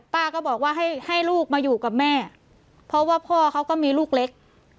ป้าก็บอกว่าให้ให้ลูกมาอยู่กับแม่เพราะว่าพ่อเขาก็มีลูกเล็ก